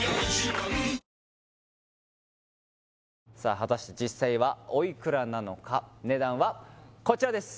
果たして実際はおいくらなのか値段はこちらです